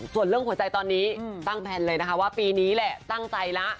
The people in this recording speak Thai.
ส่วนเรื่องหัวใจตอนนี้ตั้งแพลนเลยนะคะว่าปีนี้แหละตั้งใจแล้ว